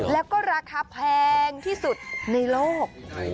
แล้วก็ราคาแพงที่สุดในโลก